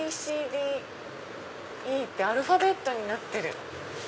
ＡＢＣＤＥってアルファベットになってる。